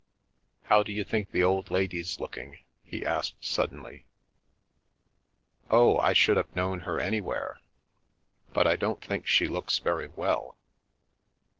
" How do you think the old lady's looking? " he asked suddenly. " Oh — I should have known her anywhere. But I don't think she looks very well."